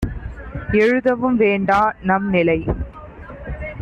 எழுதவும் வேண்டா - நம்நிலை